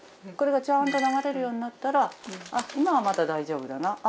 これがちゃんと流れるようになったら今はまだ大丈夫だな